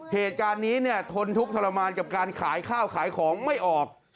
เหตุการณ์นี้เนี่ยทนทุกข์ทรมานกับการขายข้าวขายของไม่ออก